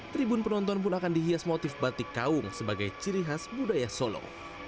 tribun penonton pun akan dihias motif batik kaung sebagai ciri khas budaya solo